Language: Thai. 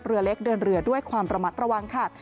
เรือเล็กเดินเรือด้วยความระมัดระวังค่ะ